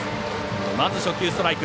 まず、初球ストライク。